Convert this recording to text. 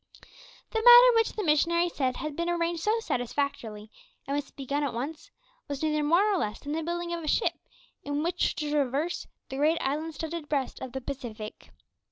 The matter which the missionary said had been arranged so satisfactorily, and was to be begun at once, was neither more nor less than the building of a ship, in which to traverse the great island studded breast of the Pacific.